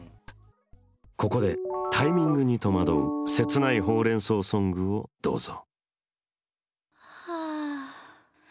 ここでタイミングにとまどう切ないほうれんそうソングをどうぞ。